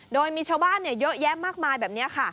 โดยมีชาวบ้านเยอะแยะคำนี้ค่ะ